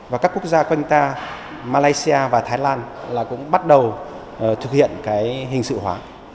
và các quốc gia quanh ta malaysia và thái lan là cũng bắt đầu thực hiện cái hình sự hóa